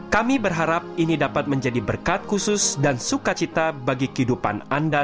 kami berharap ini dapat menjadi berkat khusus dan sukacita bagi kehidupan anda